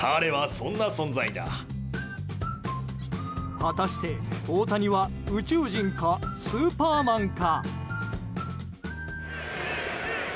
果たして、大谷は宇宙人かスーパーマンか。